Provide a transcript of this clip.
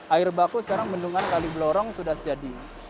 air baku sekarang bendungan kaliblorong sudah sejadi